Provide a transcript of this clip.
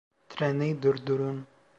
Treni durdurun!